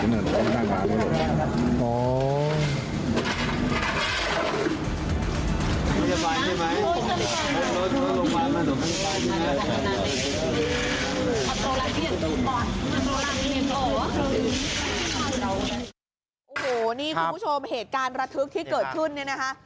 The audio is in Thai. โอ้โหนี่คุณผู้ชมเหตุการณ์ระทึกที่เกิดขึ้นเนี่ยนะคะ